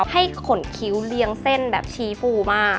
ให้ขนคิ้วเลี้ยงเส้นแบบชี้ฟูมาก